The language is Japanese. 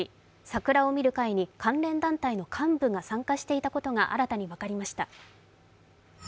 桜を見る会に関連団体の幹部が参加していたことが新たに分かりました。